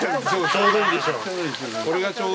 ◆ちょうどいいでしょう？